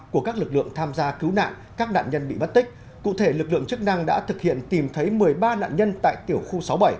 của các lực lượng tham gia cứu nạn các nạn nhân bị bắt tích cụ thể lực lượng chức năng đã thực hiện tìm thấy một mươi ba nạn nhân tại tiểu khu sáu mươi bảy